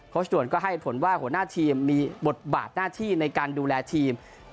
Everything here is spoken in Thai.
ชด่วนก็ให้ผลว่าหัวหน้าทีมมีบทบาทหน้าที่ในการดูแลทีม